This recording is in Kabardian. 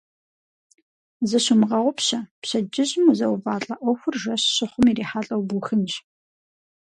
Зыщумыгъэгъупщэ: пщэдджыжьым узэувалӀэ Ӏуэхур жэщ щыхъум ирихьэлӀэу бухынщ.